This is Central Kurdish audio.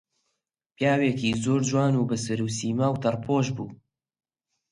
پیاوێکی زۆر جوان و بە سەروسیما و تەڕپۆش بوو